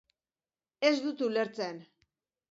Ez dut ulertzen.